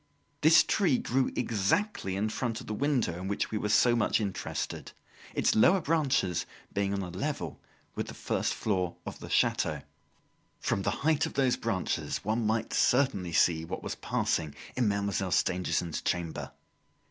This tree grew exactly in front of the window in which we were so much interested, its lower branches being on a level with the first floor of the chateau. From the height of those branches one might certainly see what was passing in Mademoiselle Stangerson's chamber.